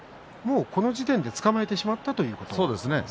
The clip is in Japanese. この時点でつかまえてしまったということですね。